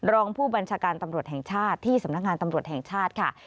รองผู้บัญชาการตำรวจแห่งชาติที่สำนักงานตำรวจแห่งชาติค่ะ